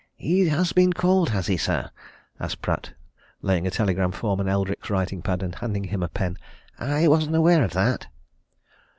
"He has been called, has he, sir?" asked Pratt, laying a telegram form on Eldrick's writing pad and handing him a pen. "I wasn't aware of that."